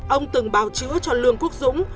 ông từng bảo chữa cho lương quốc dũng